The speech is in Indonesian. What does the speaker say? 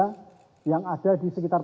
kebanyakan daerah di sekitar sini